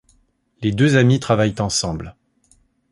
Les deux amis travaillent ensemble.